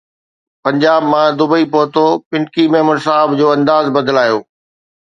پنجاب مان دبئي پهتو پنڪي ميمڻ صاحب جو انداز بدلايو